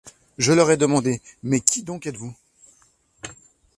Je leur ai demandé : Mais qui donc êtes-vous ?